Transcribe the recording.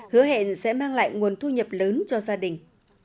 hứa hẹn sẽ mang lại nguồn thu nhập lớn cho gia đình